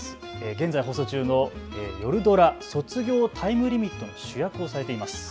現在放送中の夜ドラ、卒業タイムリミットの主役をされています。